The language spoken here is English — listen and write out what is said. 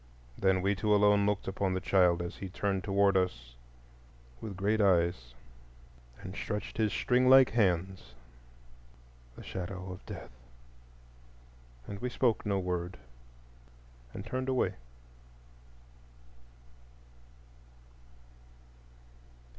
Then we two alone looked upon the child as he turned toward us with great eyes, and stretched his stringlike hands,—the Shadow of Death! And we spoke no word, and turned away.